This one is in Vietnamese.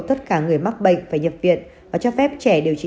tất cả người mắc bệnh phải nhập viện và cho phép trẻ điều trị